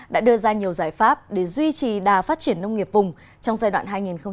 đã đưa ra nhiều giải pháp để duy trì đà phát triển nông nghiệp vùng trong giai đoạn hai nghìn hai mươi một hai nghìn hai mươi năm